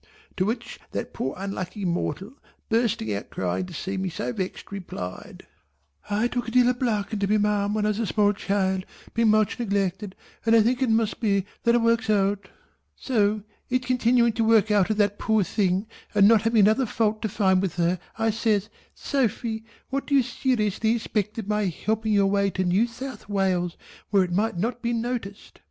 To which that poor unlucky willing mortal bursting out crying to see me so vexed replied "I took a deal of black into me ma'am when I was a small child being much neglected and I think it must be, that it works out," so it continuing to work out of that poor thing and not having another fault to find with her I says "Sophy what do you seriously think of my helping you away to New South Wales where it might not be noticed?"